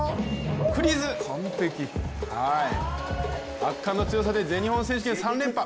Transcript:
圧巻の強さで全日本選手権３連覇。